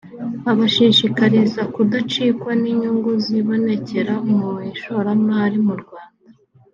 abashishikariza kudacikwa n’inyungu zibonekera mu ishoramari mu Rwanda